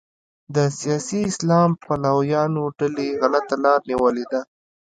د سیاسي اسلام پلویانو ډلې غلطه لاره نیولې ده.